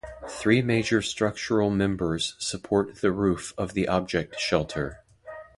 Three major structural members support the roof of the Object Shelter.